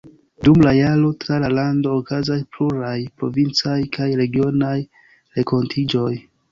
Dum la jaro tra la lando okazas pluraj provincaj kaj regionaj renkontiĝoj.